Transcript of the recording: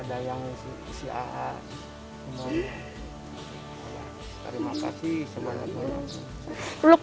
ada yang si aha terima kasih semuanya banyak